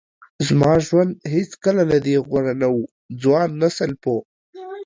زما ژوند هیڅکله له دې غوره نه و. ځوان نسل په